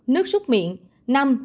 bốn nước súc miệng